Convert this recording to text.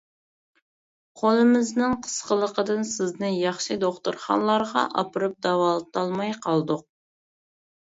قولىمىزنىڭ قىسقىلىقىدىن سىزنى ياخشى دوختۇرخانىلارغا ئاپىرىپ داۋالىتالماي قالدۇق.